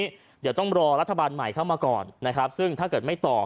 เดี๋ยวต้องรอรัฐบาลใหม่เข้ามาก่อนนะครับซึ่งถ้าเกิดไม่ตอบ